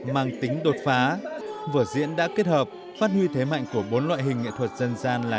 mang tính đột phá vở diễn đã kết hợp phát huy thế mạnh của bốn loại hình nghệ thuật dân gian là